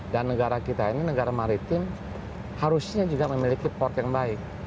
negara kita ini negara maritim harusnya juga memiliki port yang baik